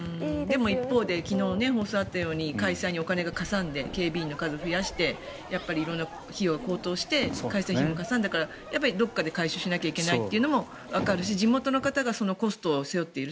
昨日、放送であったように開催にお金がかさんで警備員の数を増やして色んな費用が高騰して開催費もかさんだからどこかで回収しなきゃいけないというのもわかるし地元の方がコストを背負っている。